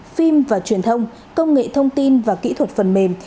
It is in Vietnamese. phim và truyền thông công nghệ thông tin và kỹ thuật phần mềm